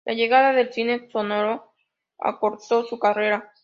La llegada del cine sonoro acortó su carrera.